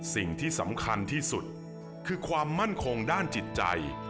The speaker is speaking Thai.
สิ่งที่สำคัญที่สุดคือความมั่นคงด้านจิตใจ